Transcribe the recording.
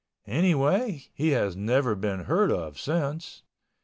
Anyway he has never been heard of since.